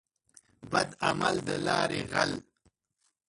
بد عمل دلاري غل.